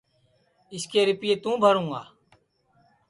اِس کے رِیپئے توں بھروں گا